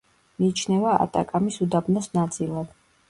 მიიჩნევა ატაკამის უდაბნოს ნაწილად.